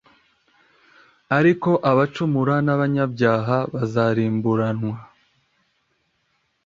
Ariko abacumura n’abanyabyaha bazarimburanwa